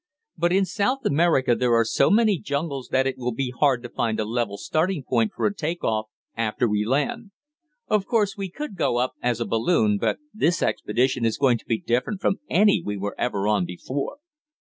But in South America there are so many jungles that it will be hard to find a level starting ground for a take off, after we land. Of course we could go up as a balloon, but this expedition is going to be different from any we were ever on before."